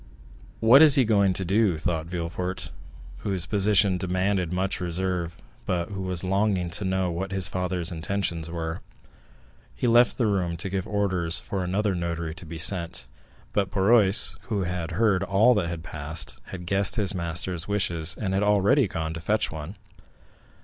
"What is he going to do?" thought Villefort, whose position demanded much reserve, but who was longing to know what his father's intentions were. He left the room to give orders for another notary to be sent, but Barrois, who had heard all that passed, had guessed his master's wishes, and had already gone to fetch one.